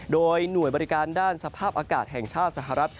โดยหน่วยบริการด้านสภาพอากาศแห่งชาติสหรัฐ